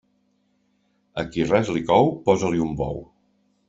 A qui res li cou, posa-li un bou.